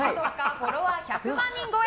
フォロワー１００万超え